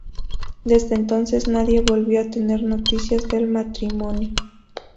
Desde entonces nadie volvió a tener noticias del matrimonio.